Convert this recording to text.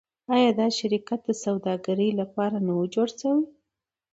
آیا دا شرکت د سوداګرۍ لپاره جوړ شوی نه و؟